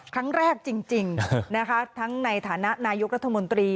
ครั้งแรกจริงนะคะทั้งในฐานะนายกรัฐมนตรี